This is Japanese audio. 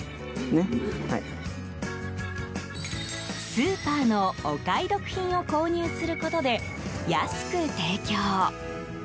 スーパーのお買い得品を購入することで、安く提供。